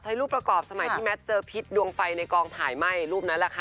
รูปประกอบสมัยที่แมทเจอพิษดวงไฟในกองถ่ายไหม้รูปนั้นแหละค่ะ